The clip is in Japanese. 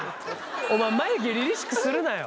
お前眉毛りりしくするなよ！